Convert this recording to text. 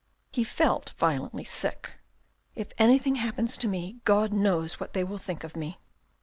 He felt violently sick. "If anything happens to me, God knows what they will think of me."